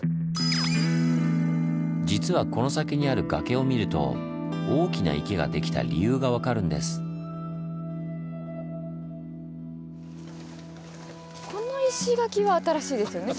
実はこの先にある崖を見ると大きな池ができた理由がわかるんです。ですよね。